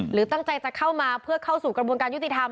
หรือตั้งใจจะเข้ามาเพื่อเข้าสู่กระบวนการยุติธรรม